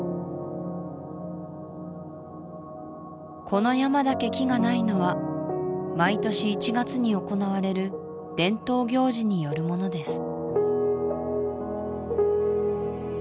この山だけ木がないのは毎年１月に行われる伝統行事によるものです